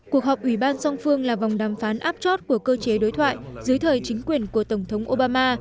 cuộc họp ủy ban song phương là vòng đàm phán áp chót của cơ chế đối thoại dưới thời chính quyền của tổng thống obama